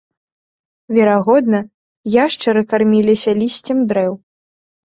Верагодна, яшчары карміліся лісцем дрэў.